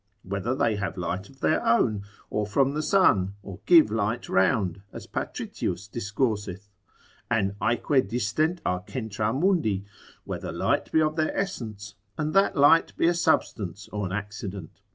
Whether they have light of their own, or from the sun, or give light round, as Patritius discourseth? An aeque distent a centra mundi? Whether light be of their essence; and that light be a substance or an accident?